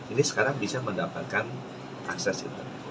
ini sekarang bisa mendapatkan akses itu